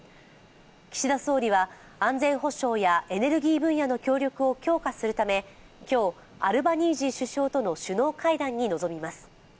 岸田総理は安全保障やエネルギー分野の協力を強化するため今日アルバニージー首相との首脳会談に臨みます。